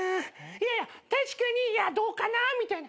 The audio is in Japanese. いやいや確かにいやどうかなぁみたいな。